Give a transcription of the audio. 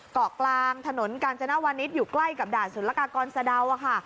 เกาะกลางถนนกาญจนวานิสอยู่ใกล้กับด่านสุรกากรสะดาวค่ะ